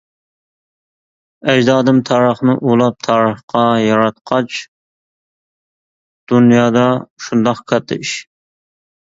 ئەجدادىم تارىخنى ئۇلاپ تارىخقا، ياراتقاچ دۇنيادا شۇنداق كاتتا ئىش.